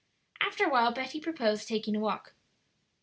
After a while Betty proposed taking a walk.